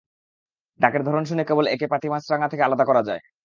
ডাকের ধরন শুনে কেবল একে পাতি মাছরাঙা থেকে আলাদা করা যায়।